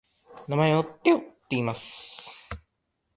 名前をテョといいます。